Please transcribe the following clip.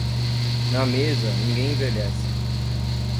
Na mesa, ninguém envelhece.